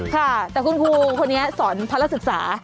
ค่ะแต่คุณครูคนนี้สอนภาระศึกษา